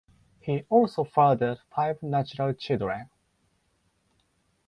He also fathered five natural children.